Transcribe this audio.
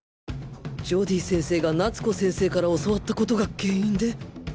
ジョディ先生が夏子先生から教わった事が原因で